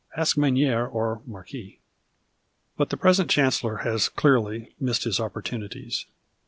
Ask Menier or Marquis. But the i)resent Chancellor has, clearly, missed his opportunities.